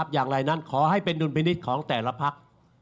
อย่างไรนั้นขอให้เป็นดุลพินิษฐ์ของแต่ละพัก